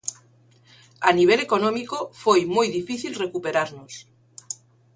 A nivel económico foi moi difícil recuperarnos.